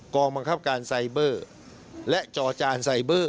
องบังคับการไซเบอร์และจอจานไซเบอร์